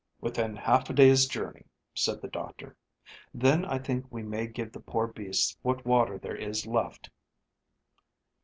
"Within half a day's journey," said the doctor. "Then I think we may give the poor beasts what water there is left."